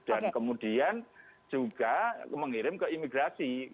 dan kemudian juga mengirim ke imigrasi